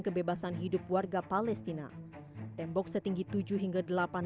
perkataan terwajib dari dengan terang sekaligus dalam pizza